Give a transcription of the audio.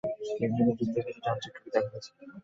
কেবলমাত্র দুটোতে কিছু যান্ত্রিক ত্রুটি দেখা গেছে।